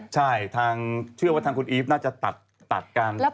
ใช่เชื่อว่าคุณอีฟน่าจะตัดการติดต่อ